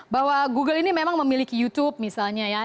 bahwa google ini memang memiliki youtube misalnya ya